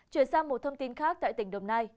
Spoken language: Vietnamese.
chuyển sang một thông tin khác tại tỉnh đồng nai